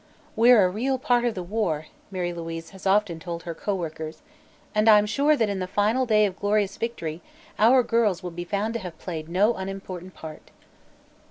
"We're a real part of the war," Mary Louise has often told her co workers, "and I'm sure that in the final day of glorious victory our girls will be found to have played no unimportant part."